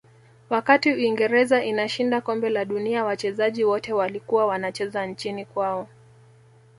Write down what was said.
wakati uingereza inashinda kombe la dunia wachezaji wote walikuwa wanacheza nchini kwao